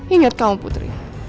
ingat kamu putri